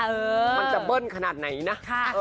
มันจะเบิ้ลขนาดไหนนะ